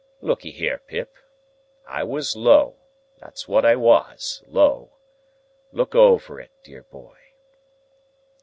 Look'ee here, Pip. I was low; that's what I was; low. Look over it, dear boy."